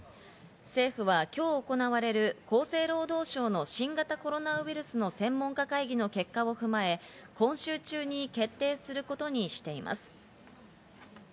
政府は今日行われる厚生労働省の新型コロナウイルスの専門家会議の結果を踏まえ、今週中に決定することにしています。